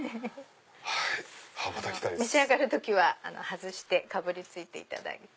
召し上がる時は外してかぶりついていただいて。